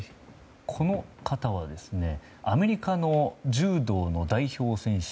この方はアメリカの柔道の代表選手